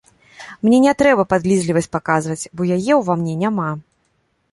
Мне не трэба падлізлівасць паказваць, бо яе ўва мне няма.